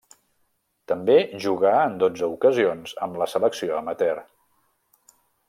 També jugà en dotze ocasions amb la selecció amateur.